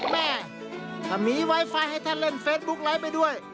แม่ถ้ามีไวไฟให้ท่านเล่นเฟซบุ๊คไลค์ไปด้วย